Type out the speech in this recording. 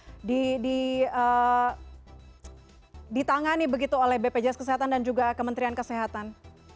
jangan sampai nanti kris ini ditangani begitu oleh bpjs kesehatan dan juga kementerian kesehatan